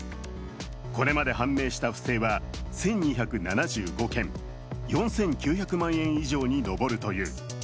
これまで判明した不正は１２７５件、４９００万円以上に上るという。